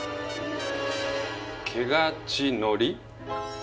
「けがちのり」？